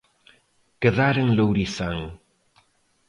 Quedar en Lourizán.